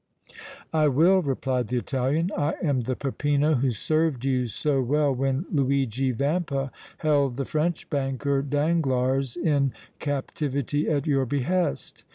"I will," replied the Italian. "I am the Peppino who served you so well when Luigi Vampa held the French banker, Danglars, in captivity at your behest.